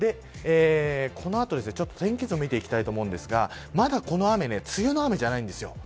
この後、ちょっと天気図を見ていきたいと思うんですがまだこれは梅雨の雨ではないんです。